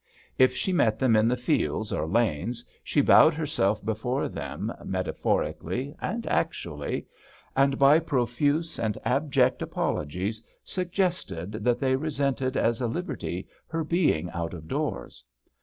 If she met them in the fields or S6 MRS. TALLY lanes, she bowed herself before them, meta phorically and actually, and by profuse and abject apologies suggested that they resented as a liberty her being out of doors.